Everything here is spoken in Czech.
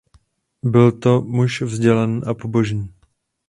Byl to muž vzdělaný a pobožný.